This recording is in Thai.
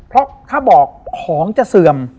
เพราะถ้าบอกของจะเสื่อม